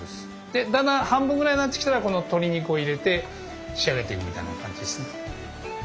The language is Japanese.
でだんだん半分ぐらいになってきたらこの鶏肉を入れて仕上げていくみたいな感じですね。